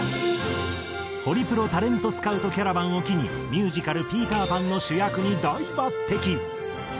ホリプロタレントスカウトキャラバンを機にミュージカル『ピーター・パン』の主役に大抜擢！